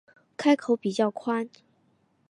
开口比较宽